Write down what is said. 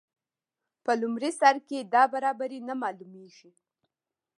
په لومړي سر کې دا برابري نه معلومیږي.